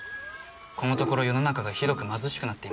このところ世の中がひどく貧しくなっています。